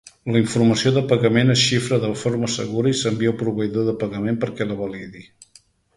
La informació de pagament es xifra de forma segura i s'envia al proveïdor de pagament perquè la validi.